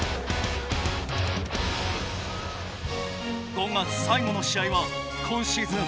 ５月最後の試合は今シーズン